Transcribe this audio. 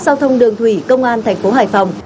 giao thông đường thủy công an thành phố hải phòng